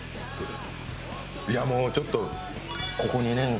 いやもうちょっと。